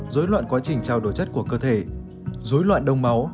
dối loạn quá trình trao đổi chất của cơ thể dối loạn đông máu